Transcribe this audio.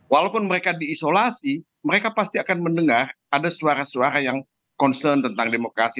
walaupun mereka diisolasi mereka pasti akan mendengar ada suara suara yang concern tentang demokrasi